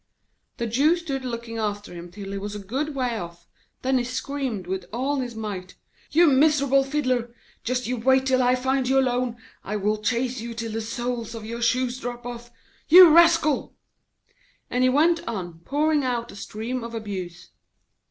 The Jew stood still looking after him till he was a good way off, then he screamed with all his might: 'You miserable fiddler! Just you wait till I find you alone! I will chase you till the soles of your shoes drop off you rascal!' And he went on pouring out a stream of abuse.